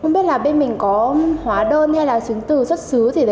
không biết là bên mình có hóa đơn hay là trứng tử xuất xứ gì đấy ông nhỉ